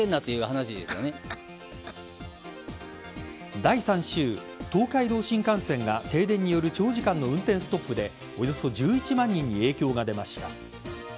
第３週東海道新幹線が停電による長時間の運転ストップでおよそ１１万人に影響が出ました。